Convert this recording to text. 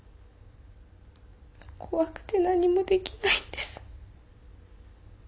怖くて何もできないんです。